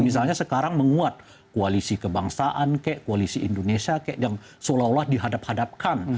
misalnya sekarang menguat koalisi kebangsaan kek koalisi indonesia kek yang seolah olah dihadap hadapkan